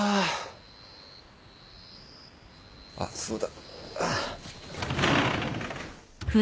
あっそうだ。